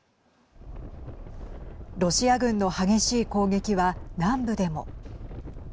ロシア軍の激しい攻撃は南部でも。